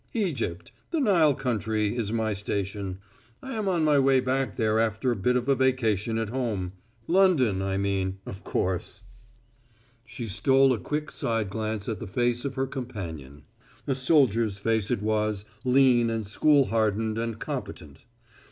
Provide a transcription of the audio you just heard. Egypt the Nile country is my station. I am on my way back there after a bit of a vacation at home London I mean, of course." She stole a quick side glance at the face of her companion. A soldier's face it was, lean and school hardened and competent.